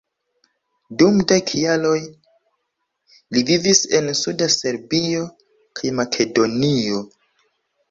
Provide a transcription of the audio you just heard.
Dum dek jaroj li vivis en suda Serbio kaj Makedonio.